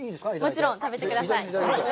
もちろん、食べてください。